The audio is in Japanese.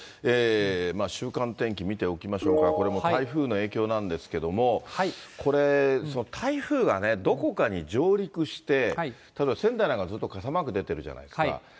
週間天気見ておきましょうか、これも台風の影響なんですけども、これ、台風がね、どこかに上陸して、例えば仙台なんかずっと傘マーク出てるじゃないですか。